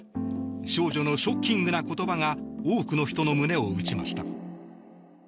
少女のショッキングな言葉が多くの人の胸を打ちました。